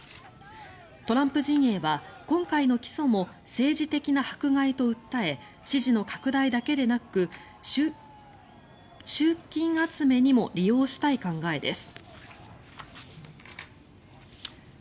トランプ陣営は今回の起訴も政治的な迫害と訴え支持の拡大だけでなく集金集めにも利用したい考えです。